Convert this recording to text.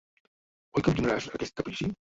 Oi que em donaràs aquest caprici?